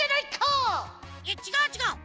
いやちがうちがう！